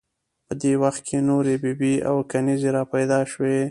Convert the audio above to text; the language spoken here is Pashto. په دې وخت کې نورې بي بي او کنیزې را پیدا شوې.